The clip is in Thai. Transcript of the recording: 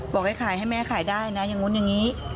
บอกให้ขายให้แม่ขายได้นะอย่างนู้นอย่างนี้